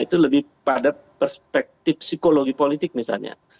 itu lebih pada perspektif psikologi politik misalnya